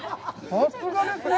さすがですね！